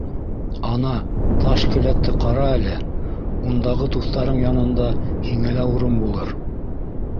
Ана, таш келәтте ҡара әле, ундағы дуҫтарың янында һиңә лә урын булыр.